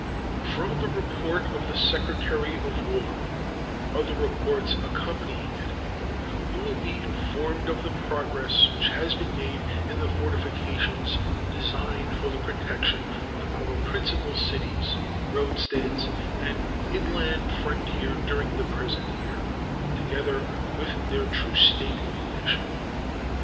From the report of the Secretary of War and other reports accompanying it you will be informed of the progress which has been made in the fortifications designed for the protection of our principal cities, roadsteads, and inland frontier during the present year, together with their true state and condition.